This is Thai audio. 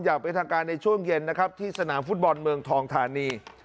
อยากไปทำการในช่วงเย็นที่สนามฟุตบอลเมืองทองฐานี